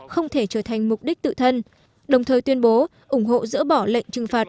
không thể trở thành mục đích tự thân đồng thời tuyên bố ủng hộ dỡ bỏ lệnh trừng phạt